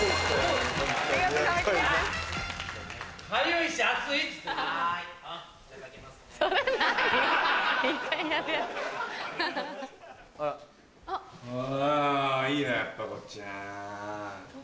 いいねやっぱこっちね。